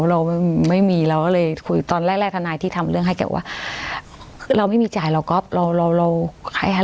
เราไม่มีเราก็เลยคุยตอนแรกแรกทนายที่ทำเรื่องให้แกว่าคือเราไม่มีจ่ายเราก็เราเราเราให้